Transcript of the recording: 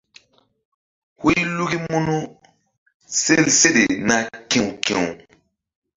Huy luki munu sel seɗe na ki̧w ki̧w.